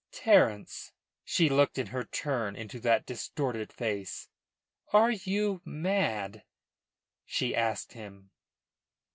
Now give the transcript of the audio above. "Terence!" She looked in her turn into that distorted face. "Are you mad?" she asked him.